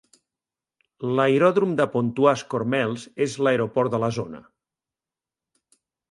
L'aeròdrom de Pontoise - Cormeilles és l'aeroport de la zona.